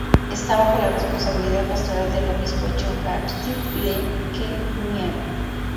Está bajo la responsabilidad pastoral del obispo John Baptist Lee Keh-mien.